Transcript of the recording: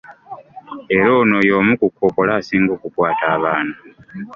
Era ono y'omu ku kookolo asinga okukwata abaana.